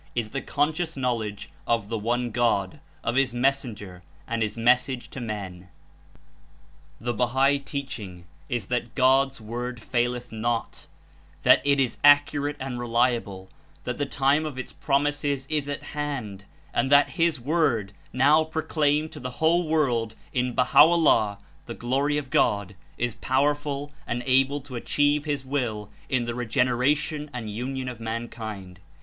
Is the conscious knowledge of the One God, of His Mes senger and His Message to men. The Bahal teaching Is that God's Word falleth not, that It Is accurate and reliable, that the time of its promises Is at hand and that His Word, now pro claimed to the whole world In Baha'o'llah (The Glory of God), Is powerful and able to achieve His Will in the regeneration and union of mankind.